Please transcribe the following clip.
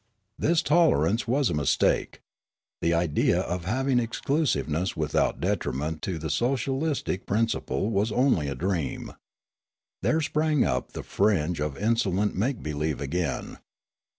'' This tolerance was a mistake. The idea of having exclusiveness without detriment to the socialistic prin ciple was only a dream. There sprang up the fringe of insolent make believe again.